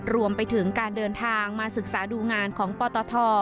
รวมไปถึงการเดินทางมาศึกษาดูงานของปตท